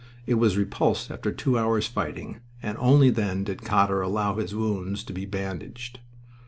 It was repulsed after two hours' fighting, and only then did Cotter allow his wounds to be bandaged.